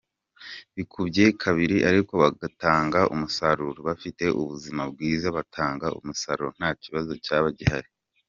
Bikubye kabiri ariko bagatanga umusaruro, bafite ubuzima bwiza, batanga umusaruro nta kibazo cyaba gihari.